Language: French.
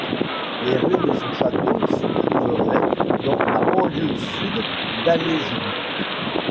Les ruines de son château se trouveraient dans la banlieue sud d'Ålesund.